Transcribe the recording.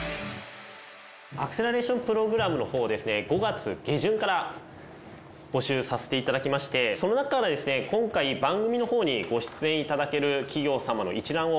アクセラレーションプログラムのほうですね５月下旬から募集させていただきましてその中から今回番組のほうにご出演いただける企業様の一覧を。